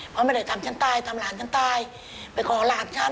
เพราะไม่ได้ทำฉันตายทำหลานฉันตายไปขอหลานฉัน